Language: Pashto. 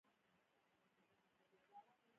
ښه نوم د هر اعلان ځای نیسي.